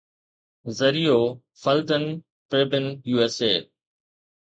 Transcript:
ذريعو Falton Prebin USA